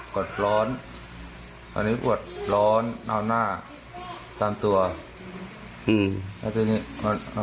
ปวดร้อนอันนี้ปวดร้อนเอาหน้าตามตัวอืมแล้วทีนี้พอ